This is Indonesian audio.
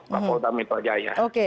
kapolri metro jaya